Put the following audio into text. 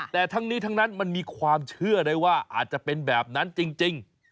แต่ทั้งนี้ทั้งนั้นมันมีความเชื่อได้ว่าอาจจะเป็นแบบนั้นจริง